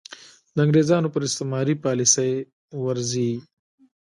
د انګرېزانو پر استعماري پالیسۍ ورځي.